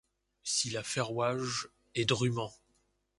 Si la feroys-je, et druement.